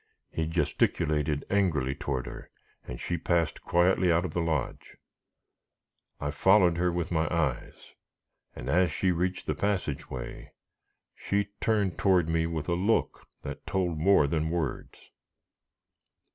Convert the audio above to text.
He gesticulated angrily toward her, and she passed quietly out of the lodge. I followed her with my eyes, and as she reached the passage way, she turned toward me with a look that told more than words.